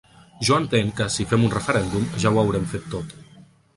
Jo entenc que, si fem un referèndum, ja ho haurem fet tot.